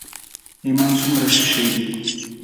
ایمان څومره ښه شی دی.